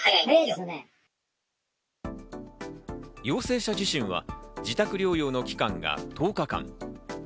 陽性者自身は自宅療養の期間が１０日間。